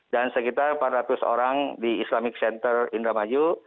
dan sekitar empat ratus orang di islamic center indramayu